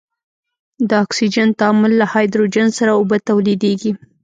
د اکسجن تعامل له هایدروجن سره اوبه تولیدیږي.